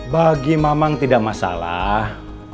bagi mamang tidak masalah